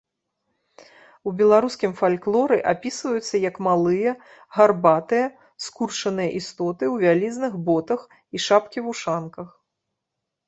У беларускім фальклоры апісваюцца як малыя, гарбатыя, скурчаныя істоты, у вялізных ботах і шапкі-вушанках.